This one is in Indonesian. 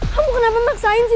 kamu kenapa maksain sih